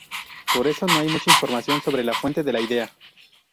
Por eso no hay mucha información sobre la fuente de la idea.